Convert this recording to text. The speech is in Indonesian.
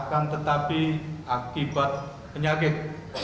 akan tetapi akibat penyakit